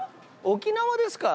沖縄ですか。